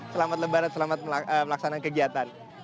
selamat lebaran selamat melaksanakan kegiatan